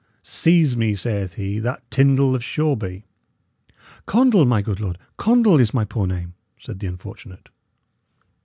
"'Seize me,' saith he, 'that Tyndal of Shoreby.'" "Condall, my good lord; Condall is my poor name," said the unfortunate.